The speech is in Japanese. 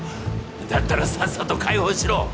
だったらさっさと解放しろ